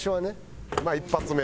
まあ一発目。